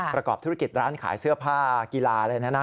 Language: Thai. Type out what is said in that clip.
ประกอบธุรกิจร้านขายเสื้อผ้ากีฬาอะไรนะ